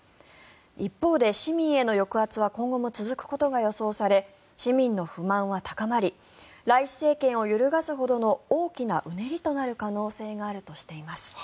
一方で市民への抑圧は今後も続くことが予想され市民の不満は高まりライシ政権を揺るがすほどの大きなうねりとなる可能性があるとしています。